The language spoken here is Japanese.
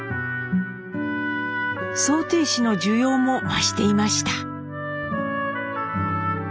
装てい師の需要も増していました。